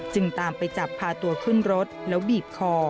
ตามไปจับพาตัวขึ้นรถแล้วบีบคอ